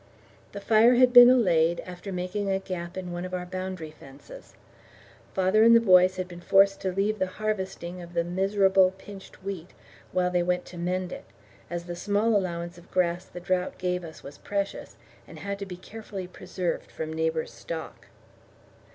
The fire had been allayed, after making a gap in one of our boundary fences. Father and the boys had been forced to leave the harvesting of the miserable pinched wheat while they went to mend it, as the small allowance of grass the drought gave us was precious, and had to be carefully preserved from neighbours' stock.